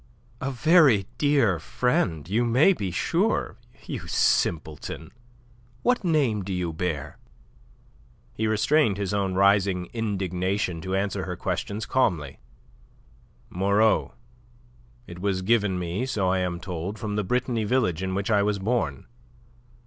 "A very dear friend, you may be sure, you simpleton. What name do you bear?" He restrained his own rising indignation to answer her question calmly: "Moreau. It was given me, so I am told, from the Brittany village in which I was born.